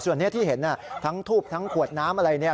ส่วนที่เห็นทั้งทูบทั้งขวดน้ำอะไร